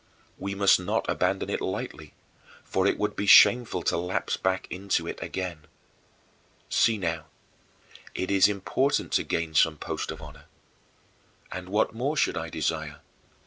We must not abandon it lightly, for it would be shameful to lapse back into it again. See now, it is important to gain some post of honor. And what more should I desire?